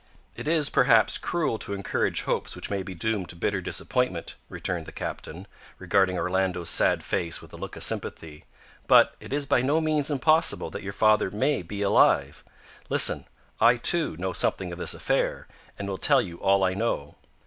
"It is, perhaps, cruel to encourage hopes which may be doomed to bitter disappointment," returned the captain, regarding Orlando's sad face with a look of sympathy; "but it is by no means impossible that your father may be alive. Listen. I, too, know something of this affair, and will tell you all I know.